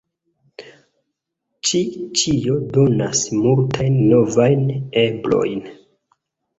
Ĉi ĉio donas multajn novajn eblojn.